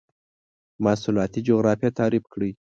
مواصلات جغرافیه تعریف کړئ.